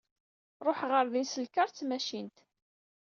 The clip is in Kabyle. Ruḥeɣ ɣer din s lkaṛ d tmacint.